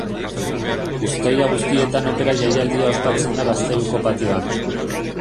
Uztaila guztietan Opera jaialdia ospatzen da gazteluko patioan.